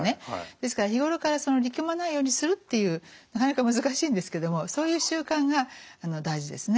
ですから日頃から力まないようにするっていうなかなか難しいんですけどもそういう習慣が大事ですね。